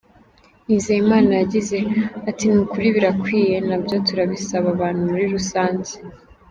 Nizeyimana yagzie ati “Ni ukuri birakwiriye, nabyo turabisaba abantu muri rusange.